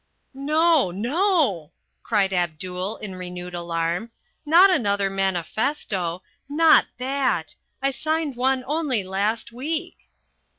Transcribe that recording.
"No, no," cried Abdul in renewed alarm. "Not another manifesto. Not that! I signed one only last week."